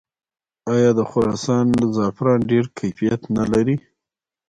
آیا د خراسان زعفران ډیر کیفیت نلري؟